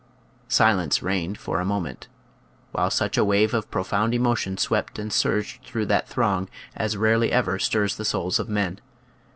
Silence reigned for a moment, while such a wave of profound emotion swept and surged through that throng as rarely ever stirs the souls of men.